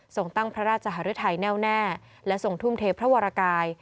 ทรงตั้งพระราชหรือไทยแน่วแน่และทรงทุ่มเทพเพราะวรากาย